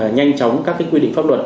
nhanh chóng các quy định pháp luật